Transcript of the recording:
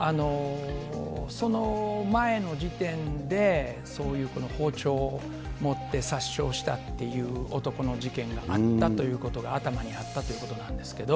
その前の時点で、そういうこの包丁を持って、殺傷したっていう男の事件があったということが頭にあったということなんですけれども。